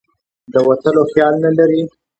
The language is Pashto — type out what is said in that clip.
د وتلو خیال نه لري.